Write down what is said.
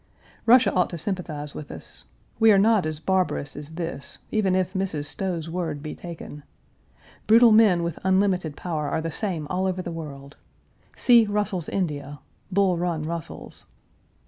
Russia ought to sympathize with us. We are not as barbarous as this, even if Mrs. Stowe's word be taken. Brutal men with unlimited power are the same all over the world. See Russell's India Bull Run Russell's.